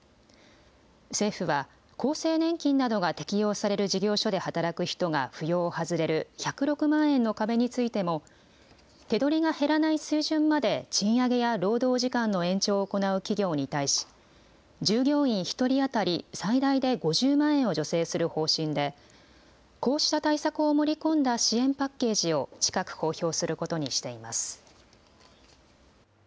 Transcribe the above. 政府は、厚生年金などが適用される事業所で働く人が扶養を外れる１０６万円の壁についても、手取りが減らない水準まで賃上げや労働時間の延長を行う企業に対し、従業員１人当たり最大で５０万円を助成する方針で、こうした対策を盛り込んだ支援パッケージを近く公表することにしています。